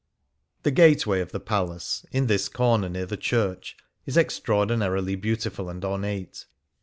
^' The gateway of the Palace in this corner near the church is extraordinarily beautiful and ornate.